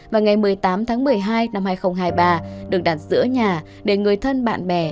và ngày một mươi tám tháng một mươi hai năm hai nghìn hai mươi ba được đặt giữa nhà để người thân bạn bè